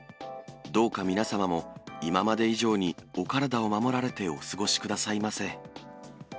どうか皆様も今まで以上に、お体を守られてお過ごしくださいませ。